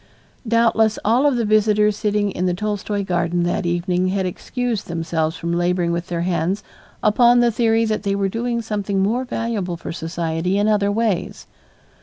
Doubtless all of the visitors sitting in the Tolstoy garden that evening had excused themselves from laboring with their hands upon the theory that they were doing something more valuable for society in other ways.